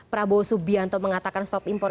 prabowo subianto mengatakan stop impor